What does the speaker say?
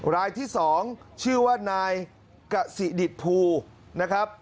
รายที่๒ชื่อว่านายกะสิดิตภูนะครับ